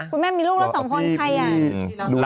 คุณแม่มีลูกแล้วสองคนใครอ่ะ